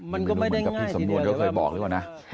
มันก็ไม่ได้ง่ายทีเดียว